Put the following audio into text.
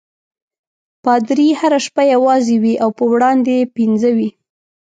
پادري هره شپه یوازې وي او په وړاندې یې پنځه وي.